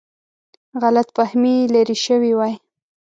غلط فهمي لیرې شوې وای.